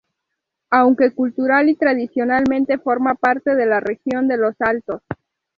Aunque cultural y tradicionalmente forma parte de la región de los Altos.